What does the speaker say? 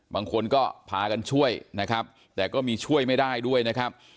บางคนก็พากันช่วยนะครับแต่ก็มีช่วยไม่ได้ด้วยนะครับ